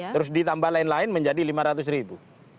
terus ditambah lain lain menjadi lima ratus ribu